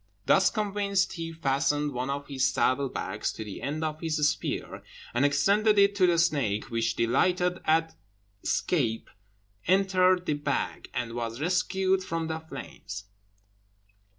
Thus convinced, he fastened one of his saddle bags to the end of his spear, and extended it to the snake, which, delighted at escape, entered the bag, and was rescued from the flames.